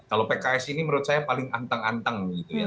kalau pks ini menurut saya paling anteng anteng gitu ya